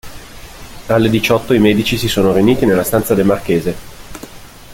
Alle diciotto i medici si sono riuniti nella stanza del marchese.